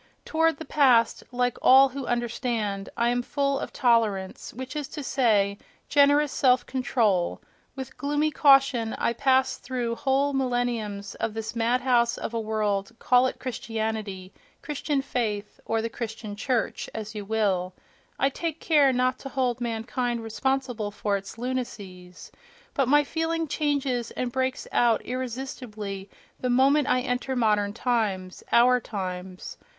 Toward the past, like all who understand, I am full of tolerance, which is to say, generous self control: with gloomy caution I pass through whole millenniums of this madhouse of a world, call it "Christianity," "Christian faith" or the "Christian church," as you will—I take care not to hold mankind responsible for its lunacies. But my feeling changes and breaks out irresistibly the moment I enter modern times, our times.